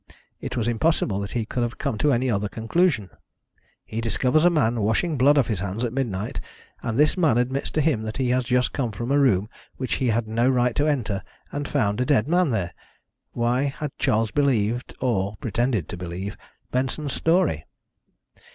It was impossible that he could have come to any other conclusion. He discovers a man washing blood off his hands at midnight, and this man admits to him that he has just come from a room which he had no right to enter, and found a dead man there. Why had Charles believed or pretended to believe Benson's story?